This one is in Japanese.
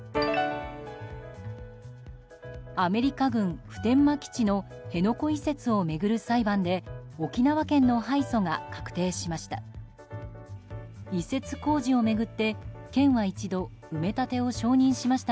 アメリカ軍普天間基地の辺野古移設を巡る裁判で沖縄県の敗訴が確定しました。